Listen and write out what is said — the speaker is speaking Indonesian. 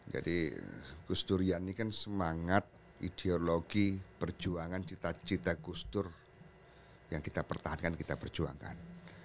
jadi gus durian ini kan semangat ideologi perjuangan cita cita gus dur yang kita pertahankan kita perjuangkan